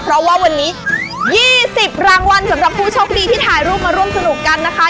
เพราะว่าวันนี้๒๐รางวัลสำหรับผู้โชคดีที่ถ่ายรูปมาร่วมสนุกกันนะคะ